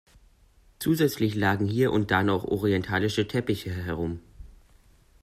Zusätzlich lagen hier und da noch orientalische Teppiche herum.